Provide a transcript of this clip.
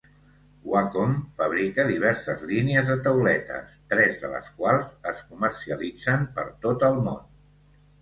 Wacom fabrica diverses línies de tauletes, tres de les quals es comercialitzen per tot el món.